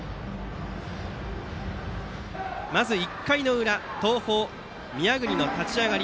まず１回の裏東邦、宮國の立ち上がり。